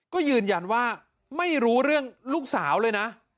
ก็ยืนยันว่าไม่รู้เรื่องลูกสาวเลยนะ